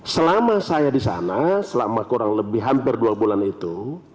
selama saya di sana selama kurang lebih hampir dua bulan itu